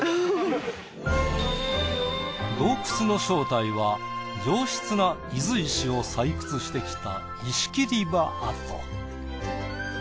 洞窟の正体は上質な伊豆石を採掘してきた。